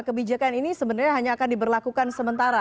kebijakan ini sebenarnya hanya akan diberlakukan sementara